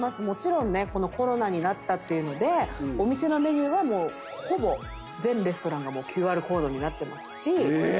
もちろんね、コロナになったっていうので、お店のメニューはもう、ほぼ全レストランがＱＲコードになってますし。